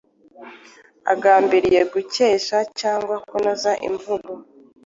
agambiriye gukesha cyangwa kunoza imvugo.